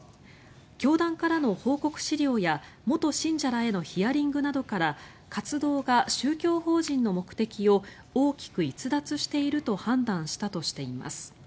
教団からの報告資料や元信者らへのヒアリングなどから活動が宗教法人の目的を大きく逸脱していると判断したとしています。